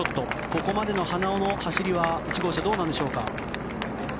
ここまでの花尾の走りは１号車、どうなんでしょうか。